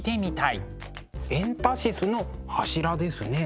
エンタシスの柱ですね。